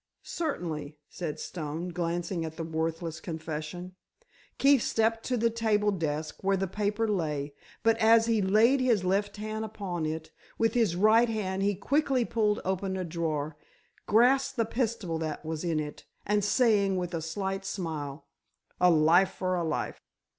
"Certainly," said Stone, glancing at the worthless confession. Keefe stepped to the table desk, where the paper lay, but as he laid his left hand upon it, with his right he quickly pulled open a drawer, grasped the pistol that was in it, and saying, with a slight smile: "A life for a life!"